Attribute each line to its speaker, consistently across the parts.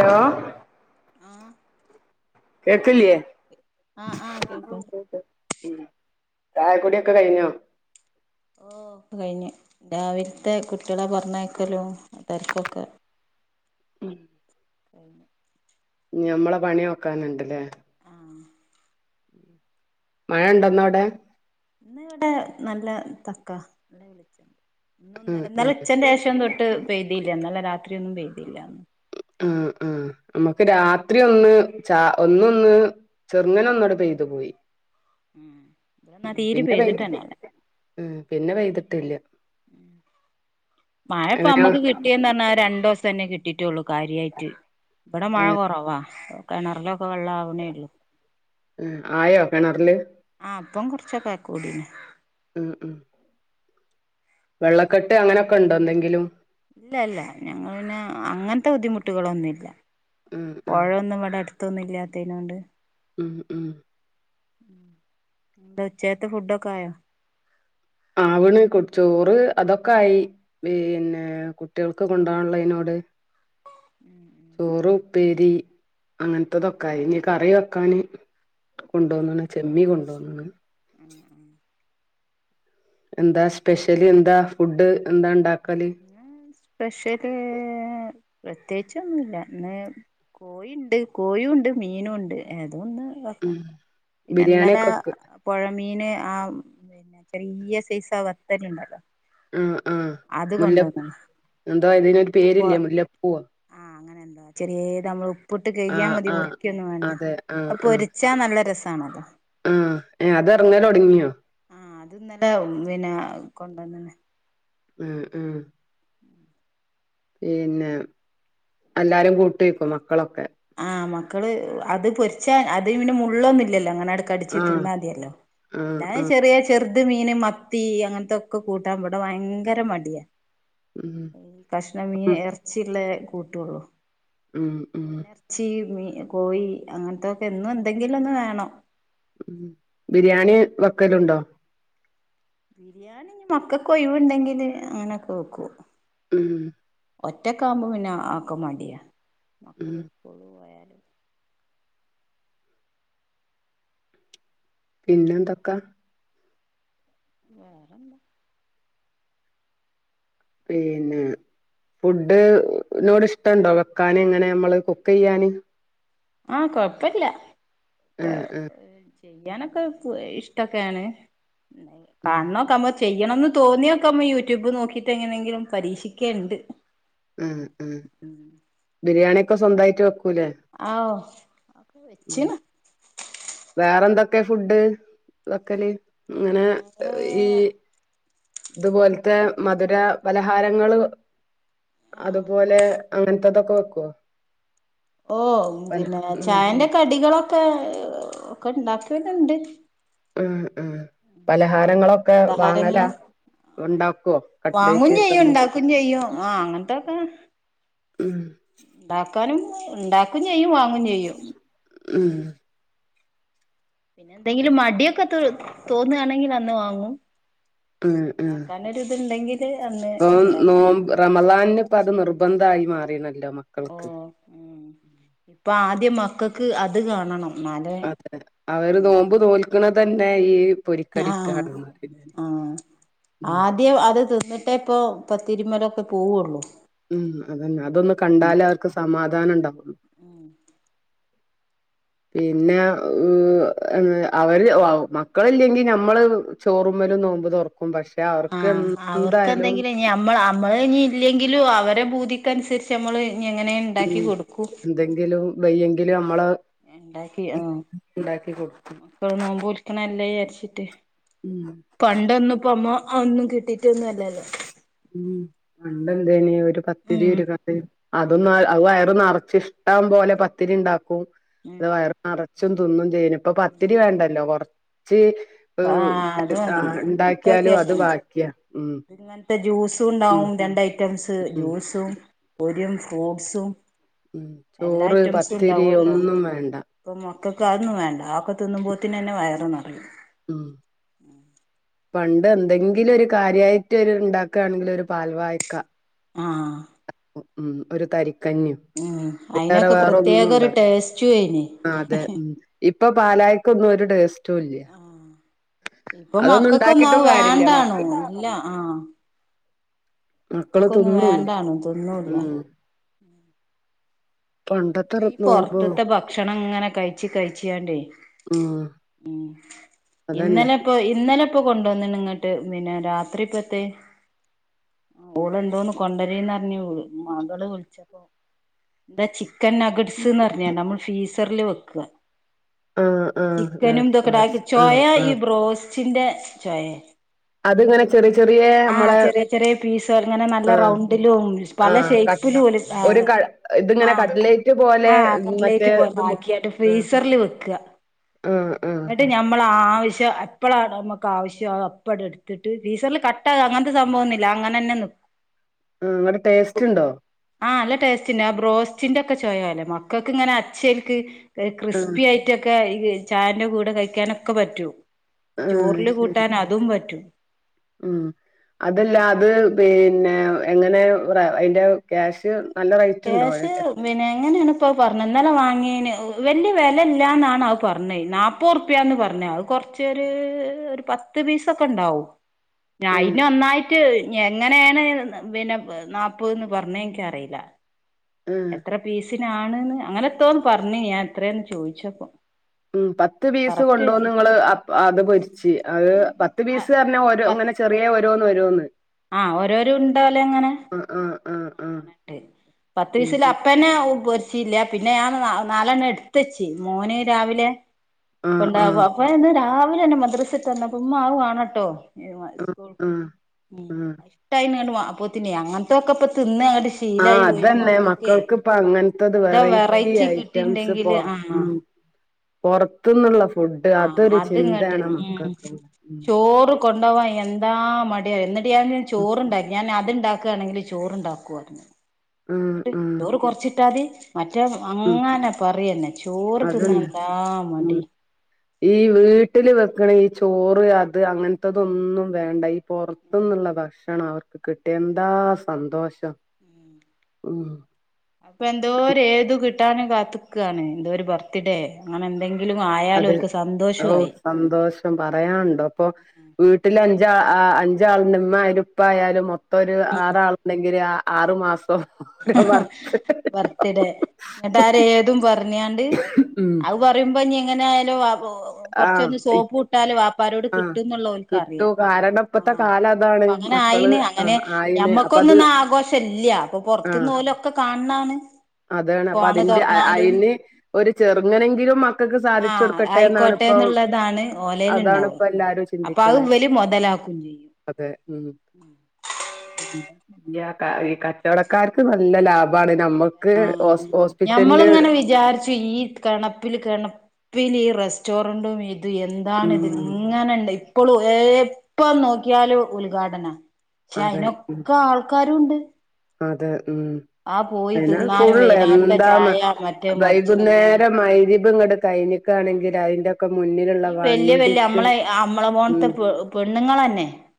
Speaker 1: Hello
Speaker 2: ആഹ
Speaker 1: കേക്കില്ലേ
Speaker 2: ആഹ് ആഹ് കേൾക്ക
Speaker 1: ഉം ചായകുടിയൊക്കെ കഴിഞ്ഞോ
Speaker 2: ഓ കഴിഞ്ഞു രാവിലത്തെ കുട്ടികളെ പറഞ്ഞേക്കലും തിരക്കൊക്കെ
Speaker 1: ഉം
Speaker 2: ശ
Speaker 1: ഞമ്മളെ പണി നോക്കാന്ണ്ട്ല്ലേ
Speaker 2: ആഹ്
Speaker 1: മഴണ്ടന്നവിടെ
Speaker 2: ഇന്ന് ഇവിടെ നല്ല തക്കാ
Speaker 1: ഉം
Speaker 2: ന്നലെ
Speaker 1: ഉം
Speaker 2: ഉച്ചന്റെഷം തൊട്ട് പെയ്തിയില്ല എന്നാലും രാത്രിയൊന്നും പെയ്തിയില്ല
Speaker 1: ഉം ഉംനമ്മുക്ക് രാത്രി ഒന്ന് ച ഒന്നൊന്ന് ചെറുങ്ങന ഒന്നട് പെയ്തു പോയി
Speaker 2: ഉം ഇവിടെന്നാ തീരെ
Speaker 1: പിന്നെ വൈ
Speaker 2: പെയ്തിട്ടന്നെല്ല
Speaker 1: ഉ പിന്നെ വൈ്തിട്ടില്ല
Speaker 2: മഴപ്പമ്മക്ക് കിട്ടിയന്ന് പറഞ്ഞാ രണ്ടുസന്നെ കി കിട്ടിട്ടുള്ളൂ കാര്യയിട്ട് ഇവിടെ മഴ
Speaker 1: ഏഹ്
Speaker 2: കുറവാ കിണറിലൊക്കെ വെള്ള ആവണേള്ളു
Speaker 1: ആയോ കിണറില്
Speaker 2: ആ അപ്പം കുറച്ചൊക്കെ കൂടിന്
Speaker 1: ഉം ഉം വെള്ളക്കെട്ട് അങ്ങനെക്കെണ്ടോ എന്തെങ്കിലും
Speaker 2: ഇല്ലല്ല. ഞങ്ങള് പിന്നെ അങ്ങനത്തെ ബുദ്ധിമുട്ടുകളൊന്നുല്ല
Speaker 1: ഉം ഉം
Speaker 2: പൊഴന്നും ഇവടെ അട്ത്തൊന്നും ഇല്ലാത്തെനോണ്ട്
Speaker 1: ഉം ഉം
Speaker 2: ന്ന് ഉച്ചകത്തെ ഫുഡൊക്കെ ആയോ
Speaker 1: ആവ്ണ് കു ചോറ് അതൊക്കായി പിന്നെ കുട്ട്യേൾക്ക് കൊണ്ടാവാൻ ഇള്ളേനോട് ചോറ് ഉപ്പേരി അങ്ങനത്തതൊക്കായി ഇനി കറി വെക്കാന് കൊണ്ടോന്ന്ണ് ചെമ്മീ കൊണ്ടോന്ന്ണ്
Speaker 2: ഉം ഉം
Speaker 1: എന്താ സ്പെഷ്യല് എന്താ ഫുഡ് എന്താണ്ടാക്കല്
Speaker 2: സ്പെഷ്യല് പ്രത്യേയിച്ചൊന്നുല്ല ഇന്ന് കോഴിണ്ട് കോഴുണ്ട് മീനുണ്ട് ഏതൊന്ന്
Speaker 1: ഉം
Speaker 2: വെക്കണം പിന്നെ
Speaker 1: ബിരിയാണി
Speaker 2: ഇന്നലെ
Speaker 1: ഒക്കെ വെക്ക്
Speaker 2: പൊഴമീന് ആ വല്ല്യ സൈസ് ആ വത്തല്ണ്ടല്ലോ
Speaker 1: ആഹ് ആഹ് മുല്ല എന്താ അതിനൊര് പേരില്ലേ മുല്ലപ്പൂവൊ
Speaker 2: ആഹ് അങ്ങനെന്തോ ചെറ്യേതമ്മള് ഉപ്പ്ട്ട് കഴികിയാ
Speaker 1: ആഹ്
Speaker 2: മതി
Speaker 1: ആഹ്
Speaker 2: മുറിക്ക്യോന്നും വേണ്ട
Speaker 1: അതെ ആഹ്
Speaker 2: അത്
Speaker 1: ആഹ്
Speaker 2: പൊരിച്ചാ നല്ല രസാണല്ലോ
Speaker 1: ആഹ് ഏ അത് എറങ്ങലൊടങ്ങിയോ
Speaker 2: ആഹ് അത് ഇന്നലെ പിന്നെ കൊണ്ടന്ന്ണ്
Speaker 1: ഉം ഉം പിന്നെ എല്ലാരും കൂട്ടേക്കും മക്കളൊക്കെ
Speaker 2: ആഹ് മക്കള് അത് പൊരിച്ചാ അത് പിന്നെ മുള്ളൊന്നുല്ലല്ലോ അങ്ങനാണ്ട് കടിച്ച്
Speaker 1: ആഹ്
Speaker 2: തിന്നാതിയല്ലോ
Speaker 1: ആഹ്
Speaker 2: അല്ലാഞ്ഞ
Speaker 1: ആഹ്
Speaker 2: ചെറ്യേ ചെറ്ത് മീൻ മത്തി അങ്ങനത്തൊക്കെ കൂട്ടാൻ ഇവടെ ഭയങ്കര മട്യാ
Speaker 1: ഉം
Speaker 2: കഷ്ണ മീന്
Speaker 1: ഉം
Speaker 2: എറച്ചിള്ളത് കൂട്ടൊള്ളൂ
Speaker 1: ഉം ഉം
Speaker 2: ഇച്ചീ മീൻ കോഴി അങ്ങനത്തൊക്കെ എന്നും എന്തെങ്കിലൊന്ന് വേണം
Speaker 1: ഉം ബിരിയാണി വെക്കല്ണ്ടോ
Speaker 2: ബിരിയാണി മക്കക്ക് ഒഴിവ്ണ്ടെങ്കില് അങ്ങനൊക്കെ വെക്കും
Speaker 1: ഉം
Speaker 2: ഒറ്റക്കാവുമ്പോ പിന്നെ അതൊക്കെ മട്യാ
Speaker 1: ഉം
Speaker 2: മക്കള് സ്കൂള് പോയാലും പിന്നെ
Speaker 1: പിന്നെന്തൊക്ക
Speaker 2: വേറെന്താ
Speaker 1: പിന്നെ ഫുഡ്നോട് ഇഷ്ട്ടണ്ടോ വെക്കാന് ഇങ്ങനെ നമ്മള് കുക്കെയ്യാന്
Speaker 2: ആഹ് കൊഴപ്പല്ല ഏ
Speaker 1: ആഹ് ആഹ്
Speaker 2: അത് ചെയ്യാനൊക്കെ ഇഷ്ട്ടൊക്കാണ്
Speaker 1: ഉം
Speaker 2: കാണ്ന്നൊക്കെ നമ്മള് ചെയ്യണംന്ന് തോന്നിയൊക്കെ നമ്മ യൂട്യൂബ് നോക്കിയിട്ട് എങ്ങനെങ്കിലും പരീക്ഷിക്കല്ണ്ട്
Speaker 1: ഉം ഉം ബിരിയാണിയൊക്കെ സ്വന്തായിട്ട് വെക്കൂലേ
Speaker 2: ആഹ് അതൊക്കെ വെച്ച്ണ്
Speaker 1: വേറെ എന്തൊക്കെ ഫുഡ് വെക്കല് ഇങ്ങനെ
Speaker 2: വേറെ
Speaker 1: ഈ ഇത്പോലത്തെ മധുര പലഹാരങ്ങള് അത്പോലെ അങ്ങനത്തതൊക്കെ വെക്കൊ
Speaker 2: ഓഹ് പിന്നെ
Speaker 1: ഉം
Speaker 2: ചായന്റെ കടികളൊക്കെ ഒക്കെ ഇണ്ടാക്ക്യോക്കെണ്ട്
Speaker 1: ഉം ഉം പലഹാരങ്ങളൊക്കെ വാങ്ങല.
Speaker 2: പലഹാരങ്ങള്
Speaker 1: ഉണ്ടാക്കൊ?
Speaker 2: വാങ്ങും
Speaker 1: കട്ലറ്റ്,
Speaker 2: ചെയ്യും
Speaker 1: സമൂസ.....
Speaker 2: ഉണ്ടാക്കും ചെയ്യും ആ അങ്ങനത്തൊക്കെ
Speaker 1: ഉം....
Speaker 2: ഉണ്ടാക്കാനും. ഉണ്ടാക്കും ചെയ്യും വാങ്ങും ചെ
Speaker 1: ഉം.
Speaker 2: പിന്നെ എന്തെങ്കിലും മടിയൊക്കെ തോന്നുവാണെങ്കിൽ അന്ന് വാങ്ങും.
Speaker 1: ആം ഉം.
Speaker 2: ആക്കാനൊരി തുണ്ടെങ്കിൽ......
Speaker 1: അപ്പൊ നോ റമളാനിന് ഇപ്പ അത് നിർബന്ധമായി മാറിയിണല്ലോ
Speaker 2: ഓ
Speaker 1: മക്കൾക്ക്.
Speaker 2: ഇപ്പൊ ആദ്യം മക്കൾക്ക് അത് കാണണം. ഇന്നലെ
Speaker 1: അവര് നോമ്പ് തോൽക്കണ തന്നെ ഈ
Speaker 2: ആഹ്
Speaker 1: പൊരിക്കടിക്കാണ്.
Speaker 2: ആഹ് ആദ്യം അത് തിന്നിട്ടേ പ്പൊ പത്തിരിമലൊക്കെ പോവുള്ളൂ.
Speaker 1: ഉം അതന്നെ. അതൊന്ന് കണ്ടാലേ അവർക്ക് സമാധാനം ഉണ്ടാവു. പിന്നെ അഹ് അവര് മക്കള്ല്ലെങ്കി നമ്മള്..... ചോറുമ്മലും നോമ്പ് തുറക്കും. പക്ഷെ അവർക്ക്
Speaker 2: ആഹ് അവർക്ക്
Speaker 1: എന്തായാലും.....
Speaker 2: എന്തെങ്കിലും ഇനി നമ്മൾ നമ്മള് ഇനി ല്ലെങ്കിലും അവരെ ഭൂതിക്കനുസരിച്ച് നമ്മള് ഇനി എങ്ങനെ ഉണ്ടാക്കി
Speaker 1: ഉം
Speaker 2: കൊടുക്കു.
Speaker 1: എന്തെങ്കിലും വയ്യെങ്കിലും നമ്മള് ഉണ്ടാക്കികൊടുക്കും.
Speaker 2: അഹ് നോമ്പോൽക്കണല്ലേ വിയാരിച്ചിട്ട്.
Speaker 1: ഉം
Speaker 2: പണ്ടൊന്നും ഇപ്പ അമ്മ അഹോന്നും കിട്ടി.... റ്റും ഒന്നും അല്ലല്ലോ.
Speaker 1: ഉം പണ്ടെന്തേനി. ഒരു പത്തിതി
Speaker 2: ഉം
Speaker 1: ഒരു ക റി. അതൊന്നും അഹ് വയറ് നിറച്ച് ഇഷ്ടം പോലെ പത്തിരിണ്ടാക്കും. അത്
Speaker 2: ഉം
Speaker 1: വയ.... നറച്ചും തിന്നും ചെയ്യേനി. ഇപ്പൊ പത്തിരി വേണ്ടല്ലോ. കൊർച്ച്
Speaker 2: ആഹ് അത് മതി
Speaker 1: ആഹ് ണ്ടാക്കിയാലും അത് ബാക്കിയ ഉം.
Speaker 2: മറ്റ ജ്യൂസു
Speaker 1: ഉം
Speaker 2: ണ്ടാവും രണ്ട് ഐറ്റംസ്
Speaker 1: ഉം
Speaker 2: ജ്യൂസും, പൊരിയും, ഫ്രൂട്സും.
Speaker 1: ഉം. ചോറ്, പത്തിരി ഒന്നും വേണ്ട.
Speaker 2: അപ്പം മക്കക്ക് അതൊന്നും വേണ്ട. ആഹ് ക്കെ തിന്നുമ്പോഴത്തന് തന്നെ വയറ് നിറിയും.
Speaker 1: ഉം. പണ്ട് എന്തെങ്കിലും ഒരു കാര്യയിട്ട് ണ്ടാക്കാണെങ്കില് ഒരു പാൽവായക്ക.
Speaker 2: ആഹ്
Speaker 1: ഉം ഒരു തരിക്കഞ്ഞും.
Speaker 2: ഉം
Speaker 1: ഐറ്റരം
Speaker 2: അയിനൊക്കെ
Speaker 1: വേറെ ഒന്നും
Speaker 2: പ്രത്യേക
Speaker 1: ഉണ്ട
Speaker 2: ഒരു ടേസ്റ്റും അയിന്
Speaker 1: ആഹ് അതെ. ഇപ്പൊ പാലായ്ക്ക ഒന്നും ഒരു ടേസ്റ്റ് റ്റും ല്യ.
Speaker 2: ആഹ് ഇപ്പൊ
Speaker 1: അതൊന്നും
Speaker 2: മക്കൾക്കൊന്നും
Speaker 1: ണ്ടാക്കിട്ടും
Speaker 2: അത്
Speaker 1: കാര്യല്ല.
Speaker 2: വേണ്ടാണു
Speaker 1: മക്ക
Speaker 2: ഇല്ല
Speaker 1: മക്കള്
Speaker 2: മക്കക്കൊന്നും
Speaker 1: തിന്നൂല്ല
Speaker 2: വേണ്ടാണും. തിന്നുല്ല.
Speaker 1: ഉം പണ്ടത്തെ
Speaker 2: പ്പെ
Speaker 1: റ്
Speaker 2: ഈ
Speaker 1: നോമ്പ്
Speaker 2: പൊറത്ത്ത്തെ ഭക്ഷണം ഇങ്ങനെ കഴിച്ച് കഴിച്ച്യാണ്ടേ.
Speaker 1: ഉം
Speaker 2: ഉം
Speaker 1: അതന്നെ
Speaker 2: ഇന്നലെപ്പോ ഇന്നലെ പ്പൊ കൊണ്ടുവന്നിണ് ഇങ്ങട്ട് പിന്നെ രാത്രി ഇപ്പത്തെ. ഓള് എന്തോന്ന് കൊണ്ടര്ന്ന്റഞ്ഞ് മകള് വിളിച്ചപ്പോ. ന്താ ച്ചി ക്കൻനഗഡ്സ് ന്ന്റഞ്ഞാണ്ട്. നമ്മൾ ഫീസറ്ല് വെക്ക.
Speaker 1: ആഹ് ആഹ്
Speaker 2: ചിക്കനും
Speaker 1: നട്സ്
Speaker 2: ഇതൊക്കെടാക്കി.
Speaker 1: നട്സ് ആഹ്
Speaker 2: ചൊയ ഈ
Speaker 1: ആഹ്
Speaker 2: ബ്രോസ്റ്റിന്റെ ചൊയെ.
Speaker 1: അതിങ്ങനെ ചെറിയ ചെറിയ
Speaker 2: ആഹ്
Speaker 1: നമ്മളെ
Speaker 2: ചെറിയ ചെറിയ പീസോലെ ഇങ്ങനെ നല്ല
Speaker 1: ആഹ്
Speaker 2: റൗണ്ടിലും. പല
Speaker 1: ആഹ് ക
Speaker 2: ഷേയ്പ്പിലും ഓല്.
Speaker 1: ഒരു
Speaker 2: ആഹ്
Speaker 1: ക ഇതിങ്ങനെ
Speaker 2: ആഹ്
Speaker 1: കട്ലേറ്റ് പോലെ
Speaker 2: ആഹ്
Speaker 1: മറ്റേ
Speaker 2: കട്ലേറ്റ് പോലെ
Speaker 1: ഇത് മുക്കി
Speaker 2: ആക്കിയാട്ട്
Speaker 1: ആഹ്
Speaker 2: ഫ്രീസറ്ൽ വെക്ക.
Speaker 1: ആഹ് ആഹ്
Speaker 2: ന്നട്ട് നമ്മളാവശ്യം എപ്പോഴാണ് നമുക്ക് ആവശ്യം അതപ്പടെടുത്തിട്ട് ഫീസറില് ക ട്ട അങ്ങനത്തെ സംഭവെന്നുല്ല അങ്ങനന്നെ നിക്ക്
Speaker 1: ഉം [unintelligible] ടേസ്റ്റ് ഇണ്ടോ
Speaker 2: ആഹ് ല്ല ടേസ്റ്റ്ണ്ട് ആ ബ്രോസ്റ്റിന്റെക്കെ ചോയലെ മക്കക്ക്ങ്ങനെ അച്ചേൽക്ക്
Speaker 1: ആഹ്
Speaker 2: ക്രിസ്പി ആയിട്ട് റ്റൊക്കെ ഈ ചായന്റെ കൂടെ കഴിക്കാനൊക്കെ പറ്റൂ
Speaker 1: ആഹ്
Speaker 2: ചോറില്
Speaker 1: ശരി
Speaker 2: കൂട്ടാൻ അതും പറ്റും
Speaker 1: ഉം അതല്ല അത് പിന്നെ എങ്ങനെ അതിന്റെ ക്യാഷ് നല്ല റേറ്റ് ഉണ്ടോ
Speaker 2: ക്യാഷ്
Speaker 1: ഏഹ്
Speaker 2: പിന്നെ എങ്ങനെയാണ് ഇപ്പ പറഞ്ഞത് ഇന്നലെ വാങ്ങിയന് വല്യ വെല ഇല്ല്യാന്നാണ് അഹ് പറഞ്ഞത് പ്പുർപ്പ്യാന്ന് പറഞ്ഞ അത് കൊറച്ചൊരു പത്ത് പീസൊക്കെ ഉണ്ടാവും ഞയിന് ഒന്നായിട്ട് ഞ് എങ്ങനേണ് പിന്നെ നാപ്പന്ന് പറഞ്ഞെ എനിക്കറീല്ല
Speaker 1: ഏഹ്
Speaker 2: എത്ര പീസിനാണ്ന്ന് അങ്ങനെ എത്തോന്ന് പറഞ്ഞ് ഞാൻ എത്രയാന്ന് ചോയിച്ചപ്പം
Speaker 1: ഉം പത്ത് പീസ് കൊണ്ടോന്ന്ങ്ങള് അ അത് പൊരിച്ച് അഹ് പത്ത്
Speaker 2: ആ
Speaker 1: പീസ് പറഞ്ഞ ഓരോ ഇങ്ങനെ ചെറിയ ഓരോന്നോരോന്ന്
Speaker 2: ആഹ് ഓരോര ഉണ്ടോലെങ്ങനെ
Speaker 1: ആഹ് ആഹ് ആഹ്
Speaker 2: [unintelligible] പത്ത്
Speaker 1: ഉം
Speaker 2: പീസ് ലാ അപ്പനെ പൊരിച്ചില്ല പിന്നെ ഞാൻ നാലെണ്ണ എടുത്തെച്ച് മോന് രാവിലെ
Speaker 1: ആഹ്
Speaker 2: കൊണ്ടാവ
Speaker 1: ആഹ്
Speaker 2: അപ്പ എന്ന് രാവിലെ തന്നെ മദ്രസ വിട്ട് വന്നപ്പം ഉമ്മ അത് വാണട്ടോ
Speaker 1: ആഹ്
Speaker 2: സ്കൂൾ
Speaker 1: ആഹ്
Speaker 2: ഉം
Speaker 1: ആഹ്
Speaker 2: ഇഷ്ടായി [unintelligible] വാ അപ്പോത്തിന് അങ്ങനത്തെക്കെ ഇപ്പ തിന്ന്ങ്ങ
Speaker 1: ആഹ്
Speaker 2: ശീലായി പോയി
Speaker 1: അതന്നെ
Speaker 2: മക്കക്കേ
Speaker 1: മക്കൾക്ക് ഇപ്പ അങ്ങനത്തത്
Speaker 2: എന്താ വെറൈറ്റി കിട്ടിണ്ടെങ്കില് ആഹ് ആഹ്
Speaker 1: പൊറത്ത്ന്ന്ള്ള ഫുഡ്
Speaker 2: ആഹ്
Speaker 1: അതൊരു
Speaker 2: അത്ങ്ങട്ട്
Speaker 1: ചിന്തയാണ് മക്കക്ക് ഉം
Speaker 2: കൊണ്ടോവാ എന്താ മടിയ എന്നിട്ട് ചോറ്ണ്ടാക്കി ഞാൻ അത്ണ്ടാക്ക കാണെങ്കില് ചോറ്ണ്ടാക്കു
Speaker 1: ഉം
Speaker 2: ഇന്നട്ട്
Speaker 1: ഉം
Speaker 2: ചോറ് കൊറച്ചിട്ടാതി മറ്റേ
Speaker 1: ഉം
Speaker 2: അങ്ങനെ പറയന്നെ ചോറ്
Speaker 1: അതന്നെ
Speaker 2: തിന്നാൻന്താ
Speaker 1: ഉം
Speaker 2: മടി
Speaker 1: ഈ വീട്ടില് വെക്കണ ഈ ചോറ് അത്
Speaker 2: ഉം
Speaker 1: അങ്ങനത്തതൊന്നും വേണ്ട ഈ പൊറത്തുന്നുള്ള ഭക്ഷണം അവർക്ക് കിട്ടിയ എന്താ സന്തോഷം
Speaker 2: ഉം
Speaker 1: ഉം
Speaker 2: അപ്പൊ എന്തോര് ഏതു കിട്ടാന് കാത്ത്ക്കാണ് എന്തോ ഒരു ബർത്ത്ഡേ അങ്ങനെന്തെങ്കി ങ്കിലുമായാല്
Speaker 1: അതെ
Speaker 2: ഓൽക്ക്
Speaker 1: ഓ
Speaker 2: സന്തോഷമായി
Speaker 1: സന്തോഷം പറയാണ്ടോ പ്പോ വീട്ടിലഞ്ചാ അഞ്ചാള് ഇമ്മായാലും ഇപ്പായാലും മൊം ഇപ്പൊരു
Speaker 2: ഉം
Speaker 1: ആറാള്ണ്ടെങ്കില് ആറ് മാസം ഓരോ വറുത്ത്
Speaker 2: ബർത്ത്ഡേ എന്നിട്ട് ആരേതും പറഞ്ഞിയാണ്ട്
Speaker 1: ഉം
Speaker 2: അവ പറ പറിമ്പം ഇഞി എങ്ങനായാലും വാപ് ഓ
Speaker 1: ആഹ്
Speaker 2: കൊറച്ചൊരു സോപ്പും ട്ടാല് വാപ്പാരോട്
Speaker 1: ആഹ്
Speaker 2: കിട്ടുംന്നുള്ള
Speaker 1: കിട്ടൂ
Speaker 2: ഓൽക്കറിയാം
Speaker 1: കാരണം ഇപ്പത്തെ
Speaker 2: ആഹ്
Speaker 1: കാലം അതാണ് മക്കള്
Speaker 2: ഇപ്പങ്ങനായിന്ന് ങ്ങനെ
Speaker 1: ആയിണ് അപ്പൊ അത്
Speaker 2: ഞമ്മക്കൊന്നുംന്നാ ആഘോഷ ഇല്ല്യ അപ്പൊ
Speaker 1: ആഹ്
Speaker 2: പൊറത്തുന്നോല് ഒക്കെ കാണ് ണാണ്
Speaker 1: അതാണ് അപ്പൊ അതിന്റെ അതിന് ഒരു ചെറുങ്ങനെങ്കിലും മക്കക്ക് സാധിച്ചു കൊടുക്കട്ടെന്നാണ്
Speaker 2: ട്ടേന്നുള്ളതാണ് ഓലേലുണ്ടാവുക
Speaker 1: എല്ലാരും
Speaker 2: അപ്പൊ അത്
Speaker 1: ചിന്തിക്കണേ
Speaker 2: ഇവല് മൊതലാക്കും ചെയ്യും
Speaker 1: അതെ ഉം യാ ക ഈ കച്ചവടക്കാർക്ക് നല്ല ലാഭാണ് നമ്മക്ക്
Speaker 2: ആഹ്
Speaker 1: ഹോസ് ഹോസ്പിറ്റലില്
Speaker 2: ഞമ്മൾങ്ങനെ വിചാര്ച്ചും ഈ കെണപ്പില് കെണപ്പിലീ റെസ്റ്റോറന്റും ഇത് എന്തി താണ്
Speaker 1: ഉം
Speaker 2: ഇതിങ്ങനെണ്ട് ഇപ്പൊളും എപ്പ നോക്കിയാലും ഉദ്ഘാടന ശെ
Speaker 1: അതെ ഉം
Speaker 2: അയ്നൊക്കെ ആൾക്കാരൂണ്ട്.
Speaker 1: അതെ ഉം പിനെ
Speaker 2: തിന്നാനും
Speaker 1: ഫുള്ള്
Speaker 2: വൈന്നേരത്തെ
Speaker 1: എന്താന്ന്
Speaker 2: ചായ മറ്റേ മറിച്ച് പറഞ്ഞാണ്ട്
Speaker 1: വൈകുന്നേരം മഹ്രിബ് ഇങ്ങെട് കയ്ഞ്
Speaker 2: ആഹ്
Speaker 1: ക്കാണെങ്കില് അയ്ന്റൊക്കെ മുന്നിലുള്ള
Speaker 2: ഈ വല്യ വല്യ
Speaker 1: വണ്ടിക്ക്
Speaker 2: നമ്മളെ നമ്മളെ
Speaker 1: ഉം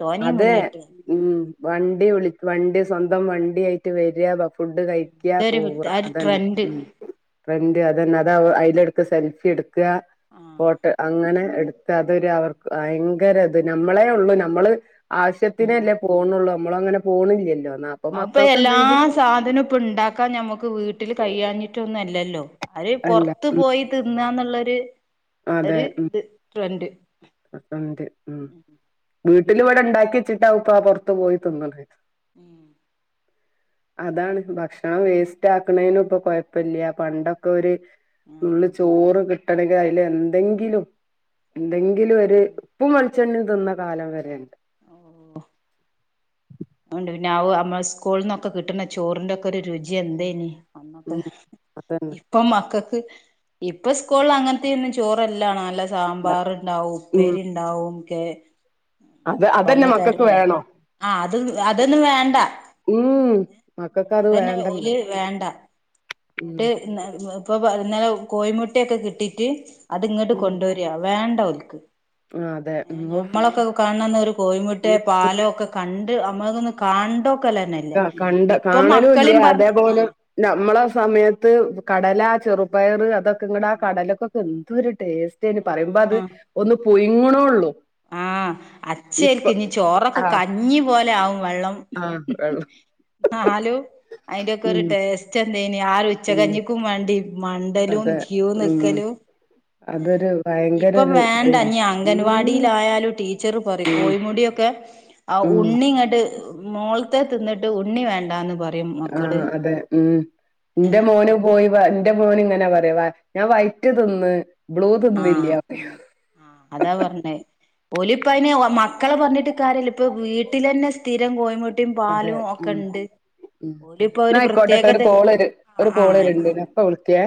Speaker 2: തോനി
Speaker 1: അതെ
Speaker 2: മുന്നിട്ട്
Speaker 1: ഉം വണ്ടി വിളി വണ്ടി സ്വന്തം വണ്ടി ആയിറ്റ് വെരാ ഫുഡ് കഴ്‌
Speaker 2: ഉം
Speaker 1: ക്ക്യാ
Speaker 2: ഇതൊരു
Speaker 1: പോവ
Speaker 2: ഒരു
Speaker 1: അതെന്നെ
Speaker 2: ട്രെൻഡ്
Speaker 1: ഉം. ട്രെന്റ് അതെന്നെ അതാ അയ്ല് എടുക്ക സെൽഫി എട്ക്ക
Speaker 2: ആഹ്
Speaker 1: ഫോട്ട അങ്ങനെ എട്ത്ത് അതൊരു അവർക്ക് ഭയങ്കെരെ ഇത് നമ്മളെ ഒള്ളു നമ്മള്
Speaker 2: ഉം
Speaker 1: ആവിശ്യത്തിനല്ലേ പോണൊള്ളൂ നമ്മളങ്ങനെ പോണില്ലല്ലോ ന്ന
Speaker 2: അഹ്പ്പെ എല്ലാ സാധനോം ഇപ്പ ഇണ്ടാ ക്കാൻ ഞമ്മക്ക് വീട്ടില് കയ്യാഞ്ഞിട്ടൊന്നും അല്ലല്ലോ അര്
Speaker 1: അല്ല
Speaker 2: പൊർത്ത് പോയി തിന്നാന്ന്ള്ളൊര് ഒര് ഇത് ട്രെന്റ്.
Speaker 1: അപ്പെന്റ ഉം. വീട്ടിലിവിടെ ഇണ്ടാക്കി വെച്ചിട്ടാ ഇപ്പ പൊർത്ത് പോയി തിന്നെത്.
Speaker 2: ഉം
Speaker 1: അതാണ് ഭക്ഷണം വേസ്റ്റ് ആക്ക്ണേനും ഇപ്പകൊഴപ്പല്ല്യാ പണ്ടൊക്കൊര് തുള്ളി ചോറ് കിട്ടെണെങ്കില് അയ്ല് എന്തെങ്കിലും എന്തെങ്കിലും ഒര് ഉപ്പും വെളിച്ചെണ്ണി തിന്ന കാലം വെരെണ്ട്.
Speaker 2: ഓഹ് ഔണ്ട് പിന്നെ ഔ നമ്മ സ്കൂള്ന്നൊക്കെ കിട്ട്ണെ ചോറിന്റൊക്കൊ രുചി എന്തെയ്നി? അന്നത്
Speaker 1: ഉം അതന്നെ
Speaker 2: ഇപ്പ് ഇപ്പം മക്കക്ക് ഇപ്പൊ സ്കോളില് അങ്ങൻത്തൊന്നും ചോറല്ല ന്നല്ലെ സാമ്പാർഇണ്ടാവും,
Speaker 1: ഉം
Speaker 2: ഉപ്പേരിഇണ്ടാവും, കേ
Speaker 1: അത്
Speaker 2: അങ്ങെനെ പല
Speaker 1: അതന്നെ മക്കൾക്ക്
Speaker 2: തെരാണ്
Speaker 1: വേണോ
Speaker 2: ആഹ് ത് അതൊന്നും വേണ്ട
Speaker 1: ഉം മക്കൾക്ക് അത്
Speaker 2: അതെന്നെ
Speaker 1: വേണ്ടല്ലോ
Speaker 2: ഓല് വേണ്ട.
Speaker 1: ഉം
Speaker 2: ഇന്ന്ട്ട് ന്ന് ഇപ്പൊ ഇന്നെലെ കോഴിമുട്ടയൊക്കെ കിട്ടീറ്റ് അത്ഇങ്ങട്ട്
Speaker 1: ഉം
Speaker 2: കൊണ്ടോരാ വേണ്ട ഒൽക്ക്
Speaker 1: ആഹ് അതെ
Speaker 2: ഏഹ്
Speaker 1: ഉം
Speaker 2: ഞമ്മളൊക്കെ കാണ്അന്ന് ഒരു കോഴിമുട്ടെ പാലോ ഒക്കെ കണ്ട് നമ്മൊക്കൊന്ന് കാണ്ടോ ക്കലെന്നെല്ല ഇപ്പം മക്കളീം പർഞ് ആഹ്
Speaker 1: ന്നമ്മളെ സമയെത്ത് കടല, ചെറുപയർ അതൊക്കെ ഇങ്ങട് ആ കടലൊക്കെ ക്കെന്തൊരു ടേസ്റ്റെയ്നി പറയുമ്പോ അത്
Speaker 2: ആഹ്
Speaker 1: ഒന്ന് പുയ്ങ്ങ്ണൊള്ളു.
Speaker 2: ആഹ് അച്ചേൽക്ക് ഇഞ്ഞി ചോറൊക്കെ
Speaker 1: ആഹ്
Speaker 2: കഞ്ഞി പോലെആവും വള്ളം.
Speaker 1: ആഹ് വെള്ളം
Speaker 2: ന്നാലും അയിന്റെക്കൊരു
Speaker 1: ഉം
Speaker 2: ടെസ്റ്റ് എന്തെയ്നി ആ ഒരു
Speaker 1: ഉം
Speaker 2: ഉച്ചകഞ്ഞിക്കും വേണ്ടി മണ്ടലും
Speaker 1: അതെ
Speaker 2: ക്യു
Speaker 1: ഉം
Speaker 2: നിക്കെലും. ഏഹ്
Speaker 1: അതൊരു ഭയങ്കര
Speaker 2: ഇപ്പം
Speaker 1: ഒരു ഇതേനു
Speaker 2: വേണ്ടഞ്ഞി
Speaker 1: ഉം
Speaker 2: അംഗൻവാടിലായാലും ട്ടീ ച്ചെർ പറയും
Speaker 1: ഉം
Speaker 2: കോഴിമുടിഒക്കെ ആ
Speaker 1: ഉം
Speaker 2: ഉണ്ണിങ്ങട്ട് മോൾ ത്തെ തിന്ന്ട്ട് ഉണ്ണി വേണ്ടാന്ന് പർ
Speaker 1: ആഹ് അതെ ഉം ഇന്റെ
Speaker 2: ഏഹ്
Speaker 1: മോനും കോഴി വ ഇന്റെ മോൻ ഇങ്ങെനെ പറയാ ഞാൻ വയ്റ്റ് തിന്ന് ബ്ലൂ
Speaker 2: ആഹ്
Speaker 1: തിന്നില്ല്യാ പർയു.
Speaker 2: ഓല് ഇപ്പൊ അയ്ന് മക്കളെ പർഞ്ഞിട്ട് കാര്യല്ല ഇപ്പ വീട്ടിലെന്നെ സ്ഥിരം കോഴ്മു ‌ ട്ടിം
Speaker 1: അതെ
Speaker 2: പാലും
Speaker 1: ഉം
Speaker 2: ഒക്കെണ്ട്
Speaker 1: ഉം
Speaker 2: ഓല്
Speaker 1: ന്നാ
Speaker 2: പ്പാഒര്
Speaker 1: ആയിക്കോട്ടെട്ടോ ഒരു
Speaker 2: പ്രത്യേകതല്
Speaker 1: കോള് ഒരു
Speaker 2: ആഹ്
Speaker 1: കോള് വര്ണ്ട്
Speaker 2: ആയ്ക്കോട്ടെ.
Speaker 1: ഞാൻ ഇപ്പ വിളിക്കെ.